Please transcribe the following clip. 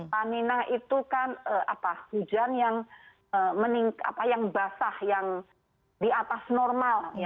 tanina itu kan hujan yang basah yang di atas normal